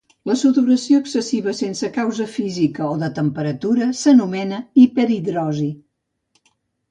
La sudoració excessiva sense causa física o de temperatura s'anomena hiperhidrosi